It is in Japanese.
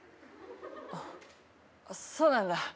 あっそうなんだ？